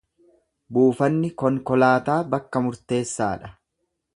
Buufanni konkolaataa bakka murteessaa dha.